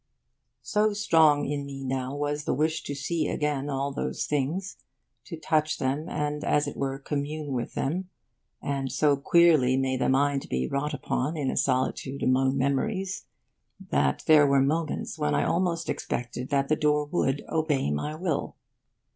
So strong in me now was the wish to see again all those things, to touch them and, as it were, commune with them, and so queerly may the mind be wrought upon in a solitude among memories, that there were moments when I almost expected that the door would obey my will.